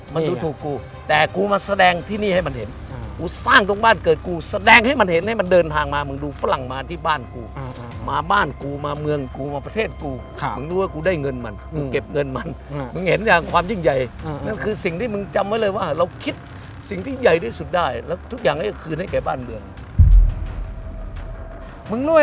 มึงรู้ไหมที่ทำไมกูจึงสร้างวัดสีขาว